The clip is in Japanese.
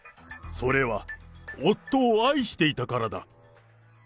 それは夫を愛していたからだ。